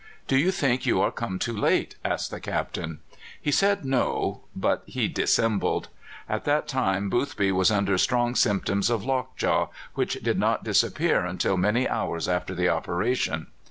"Do you think you are come too late?" asked the Captain. He said "No"; but he dissembled. At that time Boothby was under strong symptoms of lockjaw, which did not disappear until many hours after the operation.